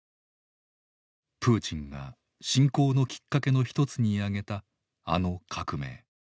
プーチンが侵攻のきっかけの一つに挙げたあの革命。